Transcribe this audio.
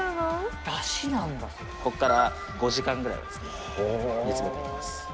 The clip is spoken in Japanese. ここから５時間ぐらい煮詰めていきます